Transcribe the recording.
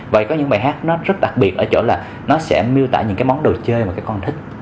vậy có những bài hát nó rất đặc biệt ở chỗ là nó sẽ miêu tả những cái món đồ chơi mà các con thích